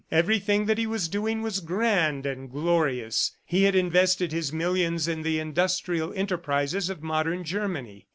Everything that he was doing was grand and glorious. He had invested his millions in the industrial enterprises of modern Germany.